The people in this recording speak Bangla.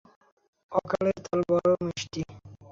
অকালের তাল বড় মিষ্টি।